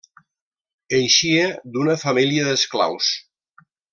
Eixia d'una família d'esclaus.